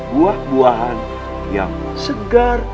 buah buahan yang segar